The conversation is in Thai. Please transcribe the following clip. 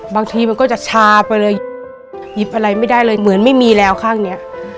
บางทีมันก็จะชาไปเลยหยิบอะไรไม่ได้เลยเหมือนไม่มีแล้วข้างเนี้ย